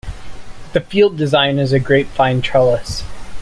The field design is a grape vine trellis.